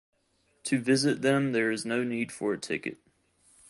To visit them there is no need for a ticket.